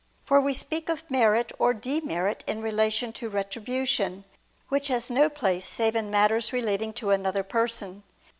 For we speak of merit or demerit in relation to retribution, which has no place save in matters relating to another person.